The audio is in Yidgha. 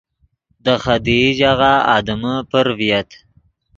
دے خدیئی ژاغہ آدمے پر ڤییت